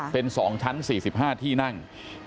เป็น๒ชั้น๔๕ที่นั่ง